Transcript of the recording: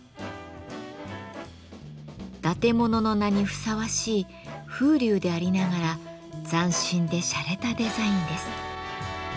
伊達者の名にふさわしい風流でありながら斬新でシャレたデザインです。